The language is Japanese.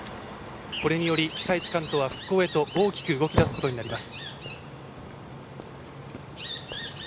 これにより被災地・関東は復興へと大きく動きだすことになります